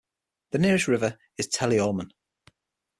The nearest river is Teleorman.